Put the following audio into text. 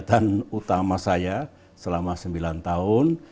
itulah kegiatan utama saya selama sembilan tahun